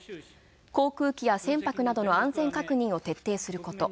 航空機や船舶等の安全確認を徹底すること